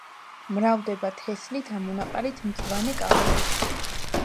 მრავლდება თესლით, ამონაყარით, მწვანე კალმებით.